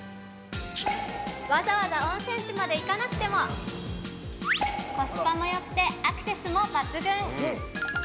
◆わざわざ温泉地まで行かなくても、コスパもよくてアクセスも抜群！